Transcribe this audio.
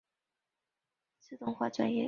毕业于浙江大学电气自动化专业。